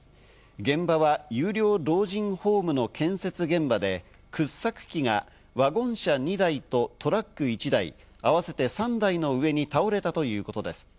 現場は有料老人ホームの建設現場で、掘削機がワゴン車２台とトラック１台、合わせて３台の上に倒れたということです。